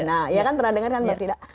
nah iya kan pernah denger kan mbak frida